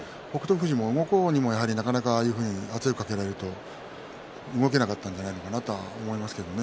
富士も動こうにもなかなか圧力をかけられると動けなかったんじゃないかなと思いますけどね。